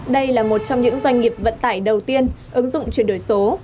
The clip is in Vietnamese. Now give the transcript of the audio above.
đây là một trong những doanh nghiệp vận tải đầu tiên ứng dụng chuyển đổi số